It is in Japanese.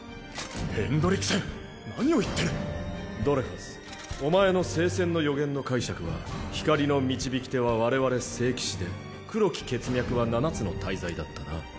ヘンドリクセン何を言ってる⁉ドレファスお前の聖戦の預言の解釈は光の導き手は我々聖騎士で黒き血脈は七つの大罪だったな。